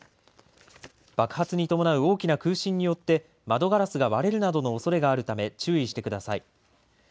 爆発に伴う大きな空振によって窓ガラスが割れるなどのおそれがあるため、注意してください。